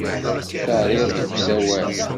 Terriḍ deg usawal.